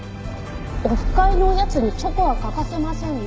「オフ会のおやつにチョコは欠かせませんね」